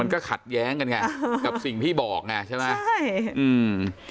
มันก็ขัดแย้งกันไงกับสิ่งพี่บอกไงใช่ไหม